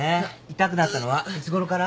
痛くなったのはいつごろから？